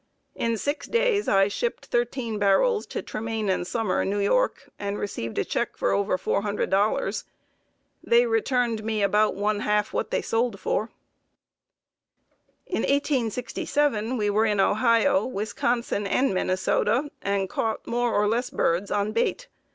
In six days I shipped thirteen barrels to Tremain & Summer, New York, and received a check for over $400. They returned me about one half what they sold for. In 1867 we were in Ohio, Wisconsin and Minnesota, and caught more or less birds on bait.